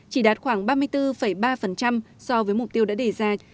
chỉ đạt khoảng ba mươi bốn ba so với mục tiêu đã đề ra